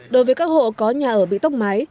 đối với các hộ có nhà ở bị tốc máy